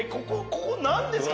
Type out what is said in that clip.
ここ何ですか？